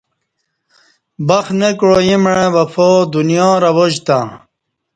بخت نہ کعا ییں مع وفادنیا رواج تاں